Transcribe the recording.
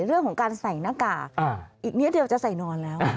เรื่องของการใส่หน้ากากอีกนิดเดียวจะใส่นอนแล้ว